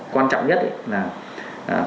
quan trọng nhất là bệnh viêm đại tràng co thắt